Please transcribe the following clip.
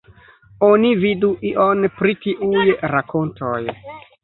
Oni vidu ion pri tiuj rakontoj.